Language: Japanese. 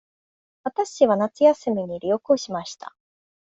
わたしは夏休みに旅行しました。